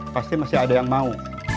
pasti masih ada yang mau